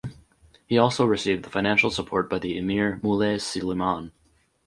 He also received the financial support by the emir Moulay Slimane.